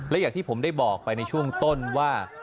และอย่างที่ผมได้บอกไปในช่วงต้นว่า